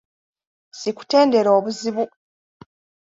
Sikutendera obuzibu!